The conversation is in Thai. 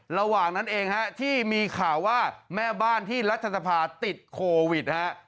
ระหว่างนั้นเองฮะที่มีข่าวว่าแม่บ้านที่รัฐสภาติดโควิดฮะ